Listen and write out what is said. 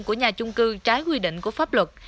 của nhà chung cư trái quy định của pháp luật